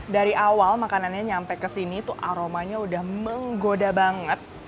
dari awal makanannya nyampe kesini tuh aromanya udah menggoda banget